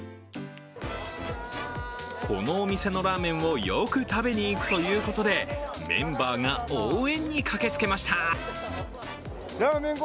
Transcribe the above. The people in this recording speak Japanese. このお店のラーメンをよく食べに行くということで、メンバーが応援に駆けつけました。